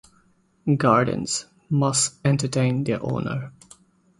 Gardens must entertain their owner.